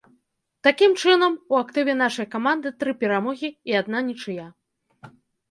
Такім чынам, у актыве нашай каманды тры перамогі і адна нічыя.